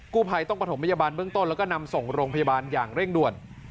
ผู้ภัยต้องประถมพยาบาลเบื้องต้นแล้วก็นำส่งโรงพยาบาลอย่างเร่งด่วน